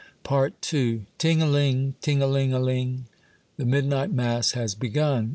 '* II TiNG A LiNG ! Ting a ling a ling ! The midnight mass has begun.